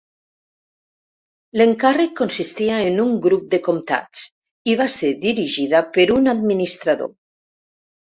L'encàrrec consistia en un grup de comtats, i va ser dirigida per un administrador.